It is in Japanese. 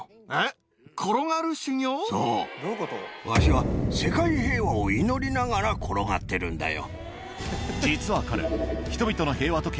そうわしは世界平和を祈りながら転がってるんだよ。